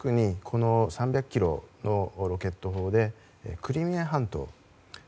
特に、３００ｋｍのロケット砲でクリミア半島。